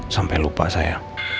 sampai lupa saya